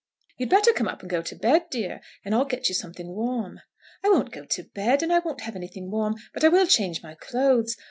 "You'd better come up and go to bed, dear; and I'll get you something warm." "I won't go to bed, and I won't have anything warm; but I will change my clothes.